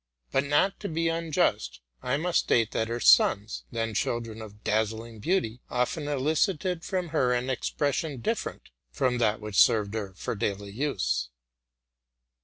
But, not to be unjust, | must state that her sons, then children of dazzling beauty, often elicited from her an. expression different from that which served her for daily use.